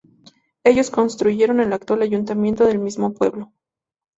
Ellos construyeron el actual ayuntamiento del mismo pueblo.